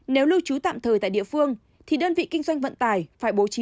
nếu lưu trú tạm thời tại địa phương thì đơn vị kinh doanh vận tải phải bố trí